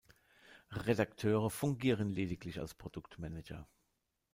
Redakteure fungieren lediglich als Produktmanager.